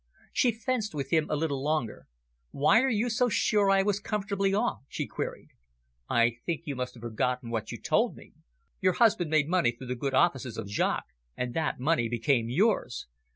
She fenced with him a little longer. "Why are you so sure I was comfortably off?" she queried. "I think you must have forgotten what you told me. Your husband made money through the good offices of Jaques, and that money became yours.